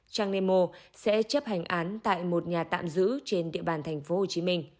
trang nemo sẽ chấp hành án tại một nhà tạm giữ trên địa bàn tp hcm